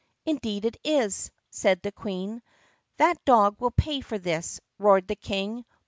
"Indeed it is!" said the Queen. "That dog will pay for this!" roared the King.